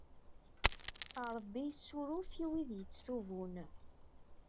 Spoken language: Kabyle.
Ṛebbi yessuruf i wid ay yettetubun.